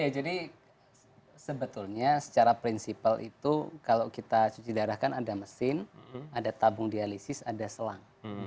ya jadi sebetulnya secara prinsipal itu kalau kita cuci darah kan ada mesin ada tabung dialisis ada selang